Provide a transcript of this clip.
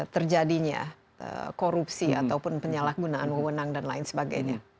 terjadinya korupsi ataupun penyalahgunaan wewenang dan lain sebagainya